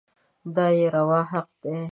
دا يې روا حق دی.